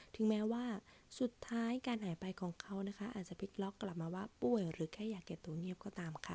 ถึงแม้ว่าสุดท้ายการหายไปของเขานะคะอาจจะพลิกล็อกกลับมาว่าป่วยหรือแค่อยากเก็บตัวเงียบก็ตามค่ะ